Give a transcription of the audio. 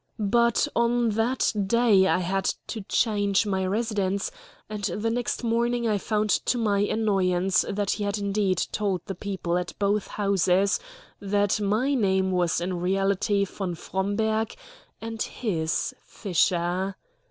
But on that day I had to change my residence, and the next morning I found to my annoyance that he had indeed told the people at both houses that my name was in reality von Fromberg and his Fisher.